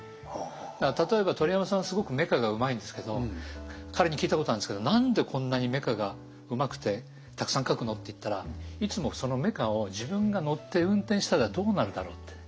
だから例えば鳥山さんはすごくメカがうまいんですけど彼に聞いたことあるんですけど「何でこんなにメカがうまくてたくさん描くの？」って言ったらいつもそのメカを自分が乗って運転したらどうなるだろうって。